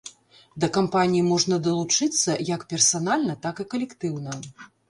Да кампаніі можна далучыцца як персанальна, так і калектыўна.